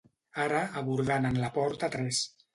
Ara, abordant en la porta tres.